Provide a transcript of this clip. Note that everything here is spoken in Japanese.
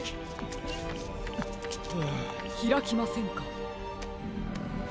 ひらきませんか。